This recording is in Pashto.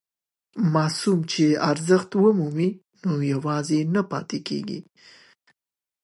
ماسوم چې ارزښت ومومي یوازې نه پاتې کېږي.